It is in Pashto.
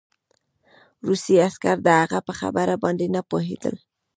روسي عسکر د هغه په خبره باندې نه پوهېدل